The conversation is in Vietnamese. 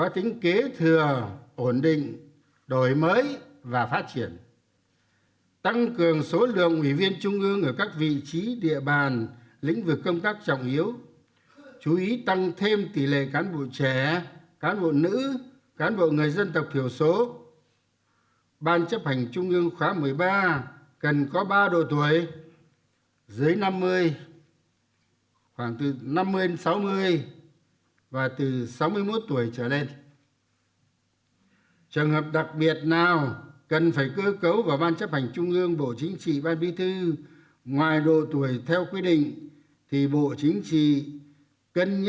một mươi trên cơ sở bảo đảm tiêu chuẩn ban chấp hành trung ương khóa một mươi ba cần có số lượng và cơ cấu hợp lý để bảo đảm sự lãnh đạo toàn diện